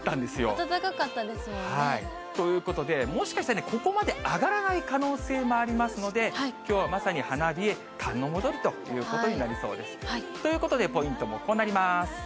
暖かかったですもんね。ということで、もしかしたら、ここまで上がらない可能性もありますので、きょうはまさに花冷え、寒の戻りということになりそうです。ということで、ポイントはこうなります。